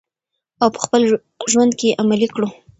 او په خپل ژوند کې یې عملي کړو.